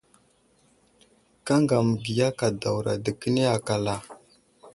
Kaŋga məgiya kadawra dəkeni akal a ?